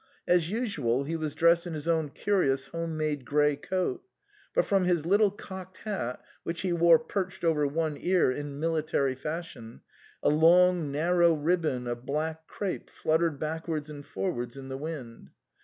As usual, he was dressed in his own curious home made gp'ey coat ; but from his little cocked hat, which he wore perched over one ear in military fashion, a long narrow ribbon of black crape fluttered back wards and forwards in the wind.